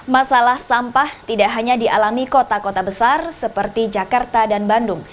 masalah sampah tidak hanya dialami kota kota besar seperti jakarta dan bandung